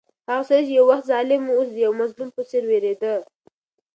هغه سړی چې یو وخت ظالم و، اوس د یو مظلوم په څېر وېرېده.